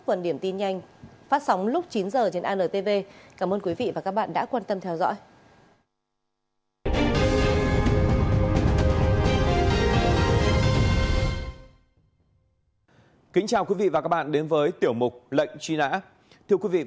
phần tin nhanh phát sóng lúc chín h trên antv cảm ơn quý vị và các bạn đã quan tâm theo dõi